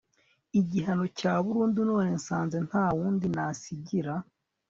igihano cya burundu none nsanze ntawundi nasigira